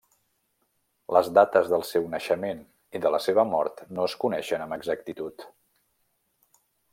Les dates del seu naixement i de la seva mort no es coneixen amb exactitud.